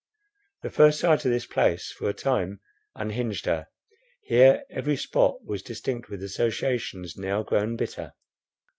The first sight of this place for a time unhinged her. Here every spot was distinct with associations now grown bitter.